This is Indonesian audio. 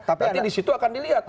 nanti di situ akan dilihat